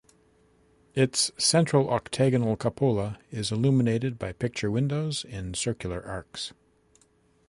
Its central octagonal cupola is illuminated by picture windows in circular arcs.